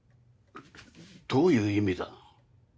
どういう意味だ？